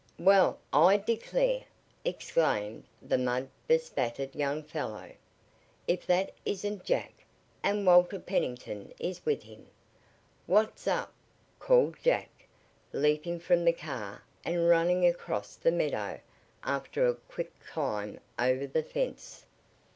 "Well, I declare!" exclaimed the mud bespattered young fellow. "If that isn't Jack! And Walter Pennington is with him!" "What's up?" called Jack, leaping from the car and running across the meadow, after a quick climb over the fence.